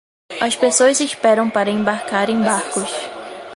As pessoas esperam para embarcar em barcos.